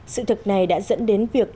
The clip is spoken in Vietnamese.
sự thực này đã dẫn đến việc